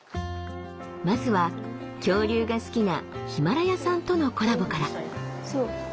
まずは恐竜が好きなヒマラヤさんとのコラボから。